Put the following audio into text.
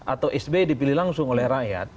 atau sby dipilih langsung oleh rakyat